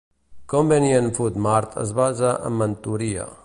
Convenient Food Mart es basa en mentoria.